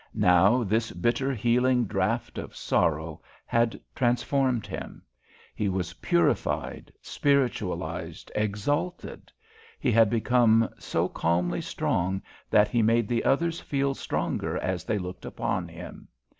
Now, this bitter healing draught of sorrow had transformed him. He was purified, spiritualised, exalted. He had become so calmly strong that he made the others feel stronger as they looked upon him.